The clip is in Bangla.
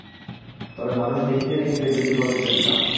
তবে মানুষ দেখিতে দেখিতে বৃদ্ধ হতে চলিলাম।